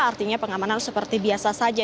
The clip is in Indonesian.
artinya pengamanan seperti biasa saja